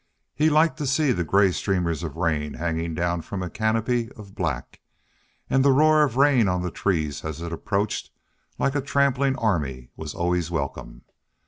He liked to see the gray streamers of rain hanging down from a canopy of black, and the roar of rain on the trees as it approached like a trampling army was always welcome.